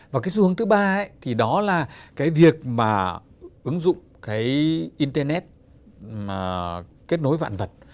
và xu hướng thứ ba thì đó là việc ứng dụng internet kết nối vạn vật